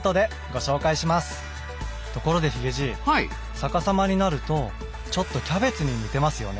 逆さまになるとちょっとキャベツに似てますよね。